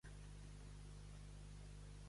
Per Sant Josep, cada oreneta en son indret.